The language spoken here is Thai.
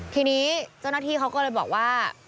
ทีนี้เจ้าหน้าที่เขาก็เลยบอกว่า